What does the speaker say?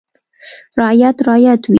• رعیت رعیت وي.